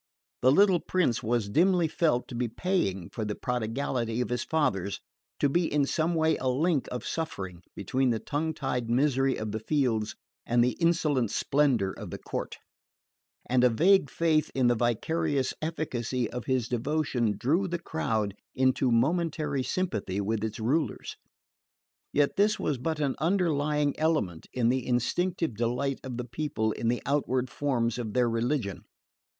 The little prince was dimly felt to be paying for the prodigality of his fathers, to be in some way a link of suffering between the tongue tied misery of the fields and the insolent splendour of the court; and a vague faith in the vicarious efficacy of his devotion drew the crowd into momentary sympathy with its rulers. Yet this was but an underlying element in the instinctive delight of the people in the outward forms of their religion.